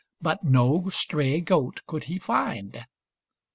But no stray goat could he find.